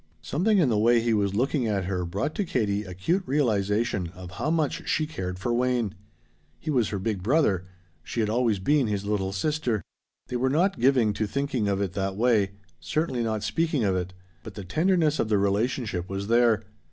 Something in the way he was looking at her brought to Katie acute realization of how much she cared for Wayne. He was her big brother. She had always been his little sister. They were not giving to thinking of it that way certainly not speaking of it but the tenderness of the relationship was there.